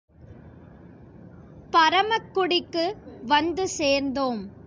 பரமக்குடிக்கு வந்து சேர்ந்தோம்.